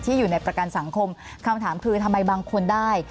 อยู่ในประกันสังคมคำถามคือทำไมบางคนได้